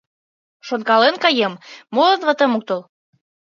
Шонкален каем: «Молан ватем ок тол?